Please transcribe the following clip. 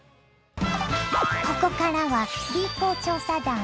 ここからはＢ公調査団。